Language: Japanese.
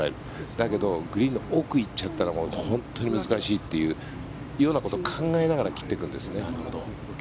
だけどグリーンの奥に行っちゃったら本当に難しいということを考えながら切っていくんですね。